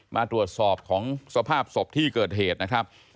มาตรวจสอบของสภาพศพที่เกิดเหตุนะครับ